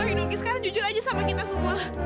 ayo ibu sekarang jujur aja sama kita semua